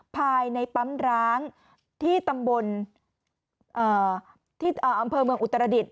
ภายในปั๊มร้างที่ตำบลที่อำเภอเมืองอุตรดิษฐ